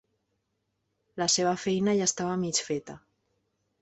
La seva feina ja estava mig feta.